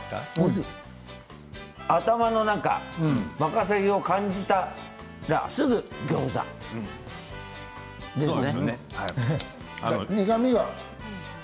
頭の中ワカサギを感じたらすぐにギョーザですね。